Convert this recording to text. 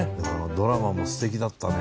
ドラマも素敵だったね